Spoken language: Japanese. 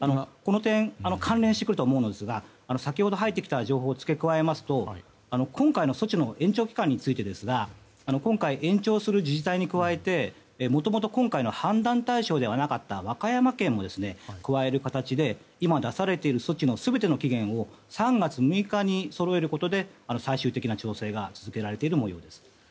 この点、関連してくるとは思うんですが先ほど入ってきた情報を付け加えますと今回の措置の延長期間について今回、延長する自治体に加えてもともと今回の判断対象ではなかった和歌山県も加える形で今、出されている措置の全ての期限を３月６日にそろえることで最終的な調整が続けられている模様です。